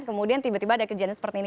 kemudian tiba tiba ada kejadian seperti ini